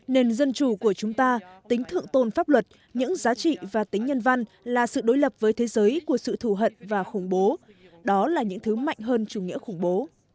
nền dân chủ của chúng ta tính thượng tôn pháp luật những giá trị và tính nhân văn là sự đối lập với thế giới của sự thù hận và khủng bố đó là những thứ mạnh hơn chủ nghĩa khủng bố